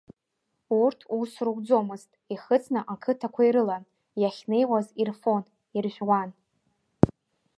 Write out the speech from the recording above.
Урҭ ус руӡомызт, ихыҵны ақыҭақәа ирылан, иахьнеиуаз ирфон, иржәуан.